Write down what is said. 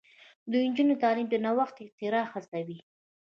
د نجونو تعلیم د نوښت او اختراع هڅوي.